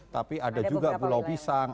tapi ada juga pulau pisang